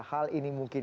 hal ini mungkin